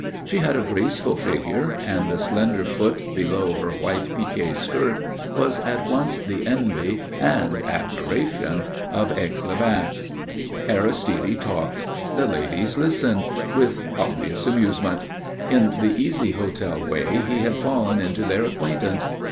She had a graceful figure, and the slender foot below her white piqué skirt was at once the envy and admiration of Aix les Bains. Aristide talked. The ladies listened, with obvious amusement. In the easy hotel way he had fallen into their acquaintance.